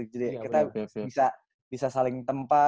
jadi kita bisa saling tempa